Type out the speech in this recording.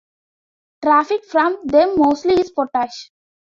Traffic from them mostly is potash.